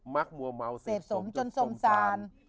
มักมัวเมาเสดสมจนสมซาน